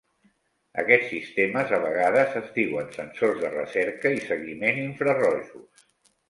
Aquest sistemes a vegades es diuen sensors de recerca i seguiment infrarojos.